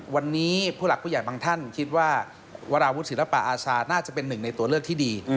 วันนี้ผู้หลักผู้ใหญ่บางท่านคิดว่าวราวุฒิศิลปะอาชาน่าจะเป็นหนึ่งในตัวเลือกที่ดี